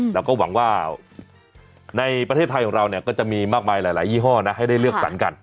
เราก็หวังว่าในประเทศไทยของเราก็จะมีมากมายหลายยี่ห้อนะให้ได้เลือกสรรกัน